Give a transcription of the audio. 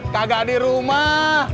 kagak di rumah